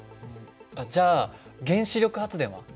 じゃあ原子力発電は？